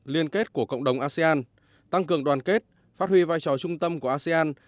liên kết của cộng đồng asean tăng cường đoàn kết phát huy vai trò trung tâm của asean